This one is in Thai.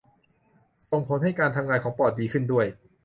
ส่งผลให้การทำงานของปอดดีขึ้นด้วย